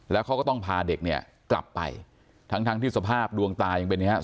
แล้วเขาก็ต้องพาเด็กเนี่ยกลับไปทั้งทั้งที่สภาพดวงตายังเป็นอย่างนี้